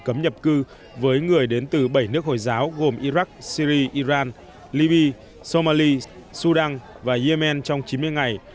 cấm nhập cư với người đến từ bảy nước hồi giáo gồm iraq syri iran libya somali sudan và yemen trong chín mươi ngày